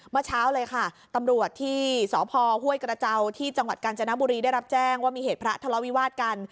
เมื่อเช้าเลยค่ะตำรวจที่สพห้วยกระเจ้าที่จังหวัดกาญจนบุรีได้รับแจ้งว่ามีเหตุพระทะเลาวิวาสกัน